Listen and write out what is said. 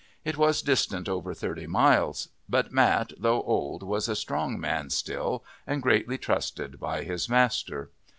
It was distant over thirty miles, but Mat though old was a strong man still and greatly trusted by his master.